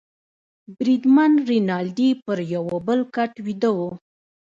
بریدمن رینالډي پر یوه بل کټ بیده وو.